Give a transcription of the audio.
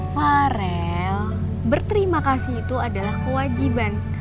farel berterima kasih itu adalah kewajiban